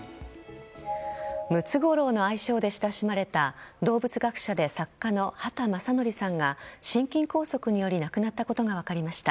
ムツゴロウの愛称で親しまれた動物学者で作家の畑正憲さんが心筋梗塞により亡くなったことが分かりました。